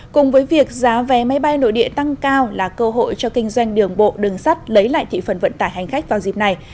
cùng với việc giá vé máy bay nội địa tăng cao là cơ hội cho kinh doanh đường bộ đường sắt lấy lại thị phần vận tải hành khách vào dịp này